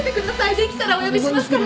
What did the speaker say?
できたらお呼びしますから。